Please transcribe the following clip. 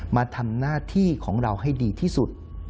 มาทำหน้าที่ของเราให้ดีที่สุด